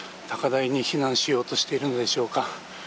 高台に避難しようとしているのでしょうか。